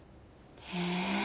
へえ。